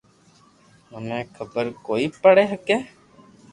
مني خبر ڪوئي پڙي ھگي